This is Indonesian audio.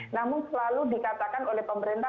namun selalu dikatakan oleh pemerintah